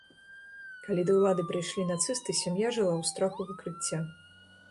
Калі да ўлады прыйшлі нацысты, сям'я жыла ў страху выкрыцця.